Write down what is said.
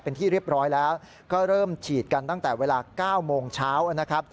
เป็นที่เรียบร้อยแล้วก็เริ่มฉีดกันตั้งแต่เวลา๙โมงเช้านะครับ